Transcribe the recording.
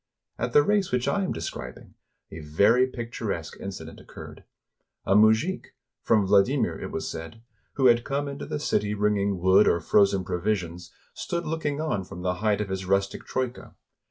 At the race which I am describing, a very picturesque incident occurred. A mujik, — from Vladimir, it was said, — who had come into the city bringing wood or frozen provisions, stood looking on from the height of his rustic troika.